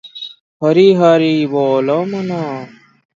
'ହରି ହରି ବୋଲ ମନ' ।